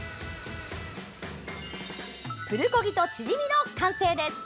プルコギとチヂミの完成です。